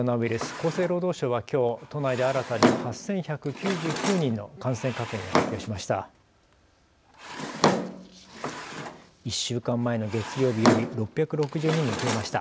厚生労働省はきょう都内で新たに８１９９人の感染確認を発表しました。